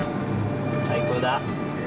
最高だ。